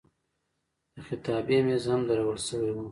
د خطابې میز هم درول شوی و.